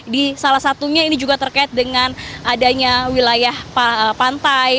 di salah satunya ini juga terkait dengan adanya wilayah pantai